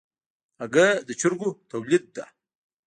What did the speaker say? هګۍ د چرګو تولید ده.